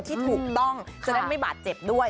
ที่ถูกต้องจะได้ไม่บาดเจ็บด้วย